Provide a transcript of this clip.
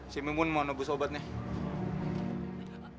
si mumun mau nunggu sobatnya